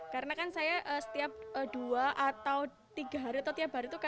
karena kan saya setiap dua atau tiga hari atau tiap hari itu